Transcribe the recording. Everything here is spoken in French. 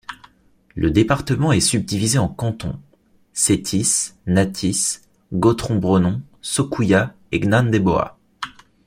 Le département est subdivisé en cantons: Sétis, Natis, Gotron-Bronon, Sokuya et Gnandéboa.